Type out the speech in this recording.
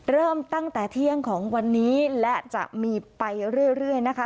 เริ่มตั้งแต่เที่ยงของวันนี้และจะมีไปเรื่อยนะคะ